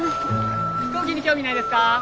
飛行機に興味ないですか？